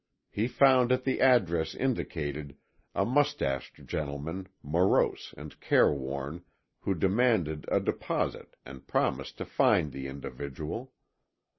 He found at the address indicated a moustached gentleman morose and careworn, who demanded a deposit and promised to find the individual.